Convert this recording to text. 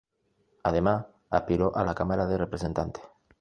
Además, aspiró a la Cámara de Representantes.